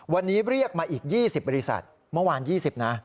วันนี้เรียกมาอีก๒๐บริษัทเมื่อวาน๒๐นะ